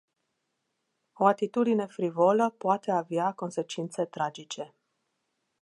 O atitudine frivolă poate avea consecințe tragice.